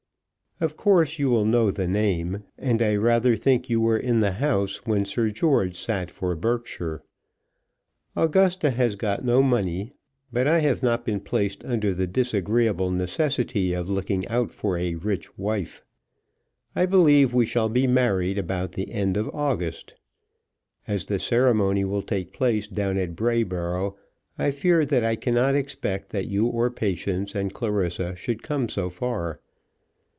Of course you will know the name, and I rather think you were in the House when Sir George sat for Berkshire. Augusta has got no money, but I have not been placed under the disagreeable necessity of looking out for a rich wife. I believe we shall be married about the end of August. As the ceremony will take place down at Brayboro', I fear that I cannot expect that you or Patience and Clarissa should come so far.